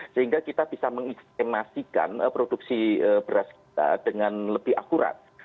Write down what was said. sehingga kita bisa mengistimasikan produksi beras kita dengan lebih akurat